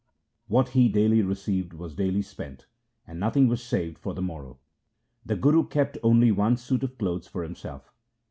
What he daily re ceived was daily spent, and nothing was saved for the morrow. The Guru kept only one suit of clothes for himself.